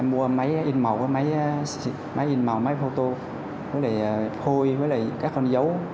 em mua máy in màu máy photo với lại hôi với lại các con dấu